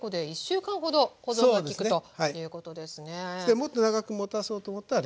もっと長くもたそうと思ったら冷凍して頂く。